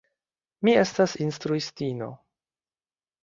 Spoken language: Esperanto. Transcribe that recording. Mi estas instruistino.